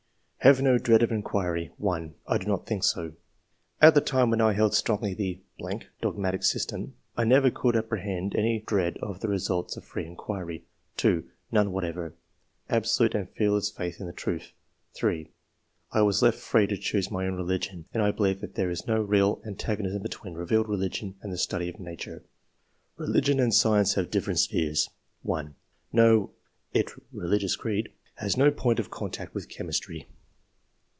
Have no dread of inquiry. — 1. "I do not think so. At the time when I held strongly the ... dogmatic system I never could apprehend any dread of the results of free inquiry." 2. " None whatever. Absolute and fearless faith in the truth." 3. "I was left free to choose my own religion, and believe that there is no real antagonism between revealed religion and the study of nature." Religion and science have different spheres. — 1. '* No ; it [religious creed] has no point of contact with chemistry."